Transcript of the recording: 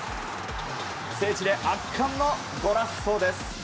聖地で圧巻のゴラッソです。